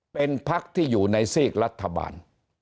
เป็นพักที่อยู่ในซีกรัฐบาล